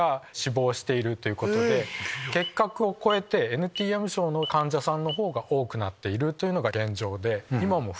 結核を超えてＮＴＭ症の患者さんの方が多くなっているのが現状。